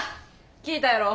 聞いたやろ？